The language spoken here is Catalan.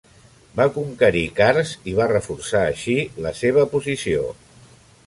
Va conquerir Kars i va reforçar així la seva posició.